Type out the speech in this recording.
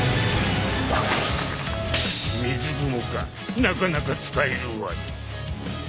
水雲かなかなか使えるわい。